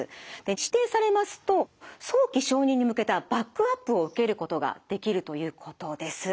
指定されますと早期承認に向けたバックアップを受けることができるということです。